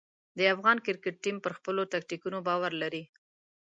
د افغان کرکټ ټیم پر خپلو ټکتیکونو باور لري.